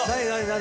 何？